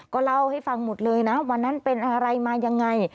ก็เล่าให้ฟังหมดเลยนะวันนั้นเป็นอะไรมายังไง